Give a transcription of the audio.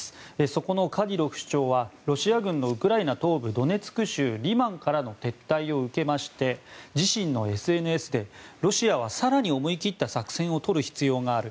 そこのカディロフ首長はロシア軍のウクライナ東部ドネツク州リマンからの撤退を受けまして自身のＳＮＳでロシアは更に思い切った作戦をとる必要がある。